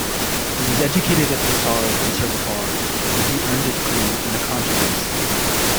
He was educated at Pesaro's Conservatoire where he earned a degree in the contrabass.